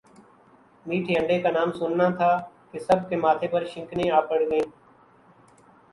میٹھے انڈے کا نام سننا تھا کہ سب کے ماتھے پر شکنیں پڑ گئی